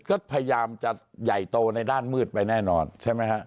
ก็พยายามจะใหญ่โตในด้านมืดไปแน่นอนใช่ไหมฮะ